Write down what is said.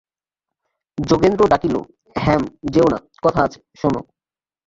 যোগেন্দ্র ডাকিল, হেম, যেয়ো না, কথা আছে, শোনো।